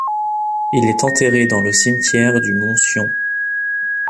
Il est enterré dans le cimetière du Mont Sion.